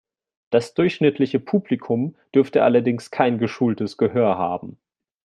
Das durchschnittliche Publikum dürfte allerdings kein geschultes Gehör haben.